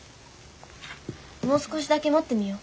もう少しだけ待ってみよ。